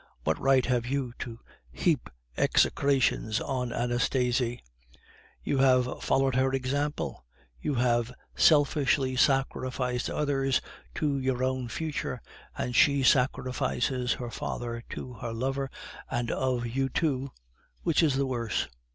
What right have you to heap execrations on Anastasie? You have followed her example; you have selfishly sacrificed others to your own future, and she sacrifices her father to her lover; and of you two, which is the worse?"